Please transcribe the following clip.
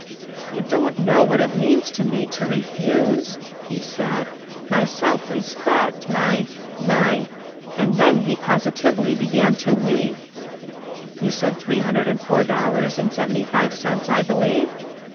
"You don't know what it means to me to refuse," he said. "My self respect ... my my...." And then he positively began to weep! "You said three hundred and four dollars and seventy five cents, I believe?"